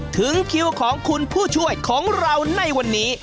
ถึงคิวของคุณผู้ช่วยของเราในวันนี้